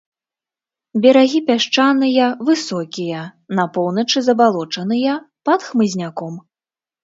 Берагі пясчаныя, высокія, на поўначы забалочаныя, пад хмызняком.